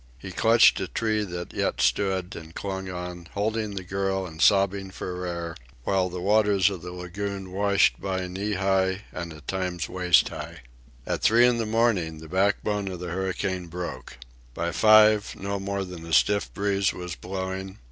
He clutched a tree that yet stood, and clung on, holding the girl and sobbing for air, while the waters of the lagoon washed by knee high and at times waist high. At three in the morning the backbone of the hurricane broke. By five no more than a stiff breeze was blowing.